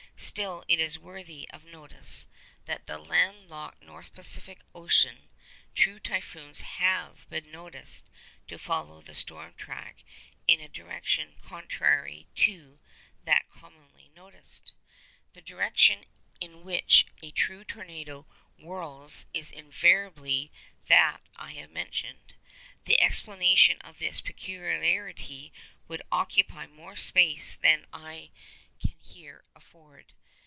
Still, it is worthy of notice, that in the land locked North Pacific Ocean, true typhoons have been noticed to follow the storm track in a direction contrary to that commonly noticed. The direction in which a true tornado whirls is invariably that I have mentioned. The explanation of this peculiarity would occupy more space than I can here afford.